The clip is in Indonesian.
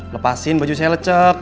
lepasin baju saya lecek